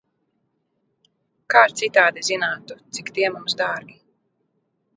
Kā citādi zinātu, cik tie mums dārgi?